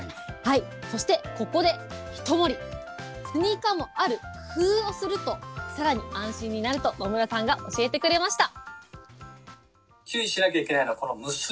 そしてここでひともり、スニーカーにある工夫をすると、さらに安心になると、野村さんが教えてくれました。